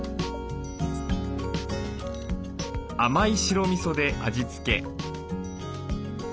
甘い白みそで味付け。